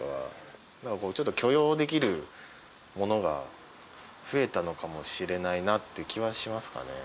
何かこうちょっと許容できるものが増えたのかもしれないなっていう気はしますかね。